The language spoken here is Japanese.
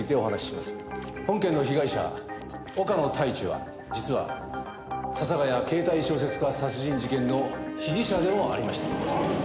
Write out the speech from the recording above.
本件の被害者岡野太一は実は笹ヶ谷ケータイ小説家殺人事件の被疑者でもありました。